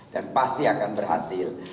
dan pasti akan berhasil